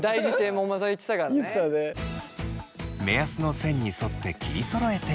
目安の線に沿って切りそろえていけば。